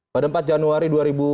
pada empat januari dua ribu dua puluh